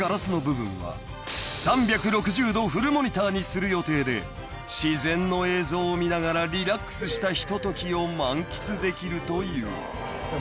する予定で自然の映像を見ながらリラックスしたひとときを満喫できるという］